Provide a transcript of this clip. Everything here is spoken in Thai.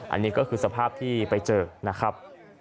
อันนี้ก็คือสภาพที่ไปเจอนะครับ